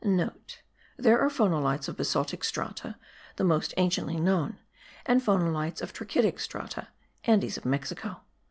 (* There are phonolites of basaltic strata (the most anciently known) and phonolites of trachytic strata (Andes of Mexico).